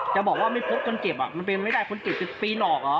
จะบอกว่าไม่พบคนเจ็บอ่ะมันเป็นไม่ได้คนเจ็บ๗๐ปีหรอกอ่ะ